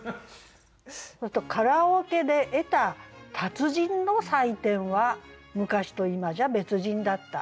「カラオケで得た達人の採点は『昔と今じゃ別人』だった」。